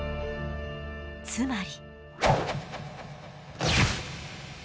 つまり。